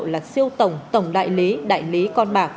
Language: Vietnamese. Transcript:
là siêu tổng tổng đại lý đại lý con bạc